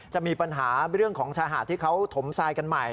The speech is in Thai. จะมีปัญหาเรื่องของชายหาดที่เขาถมทรายกันใหม่